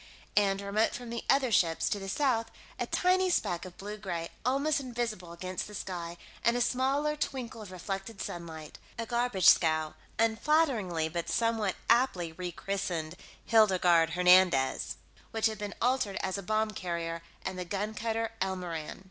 And, remote from the other ships, to the south, a tiny speck of blue gray, almost invisible against the sky, and a smaller twinkle of reflected sunlight a garbage scow, unflatteringly but somewhat aptly rechristened Hildegarde Hernandez, which had been altered as a bomb carrier, and the gun cutter Elmoran.